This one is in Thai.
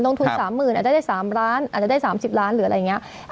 ลงทุนสามหมื่นอาจจะได้สามล้านอาจจะได้สามสิบล้านหรืออะไรอย่างเงี้ย